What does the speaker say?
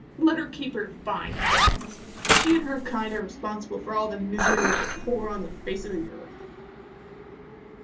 Let her keep her fine things. She and her kind are responsible for all the misery of the poor on the face of the earth."